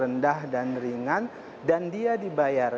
ini agar bisa melancestediang